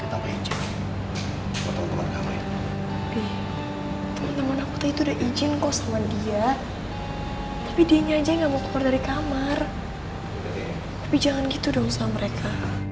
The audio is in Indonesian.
tapi jangan gitu dong sama mereka